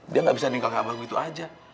dia gak bisa ninggal ke abah begitu aja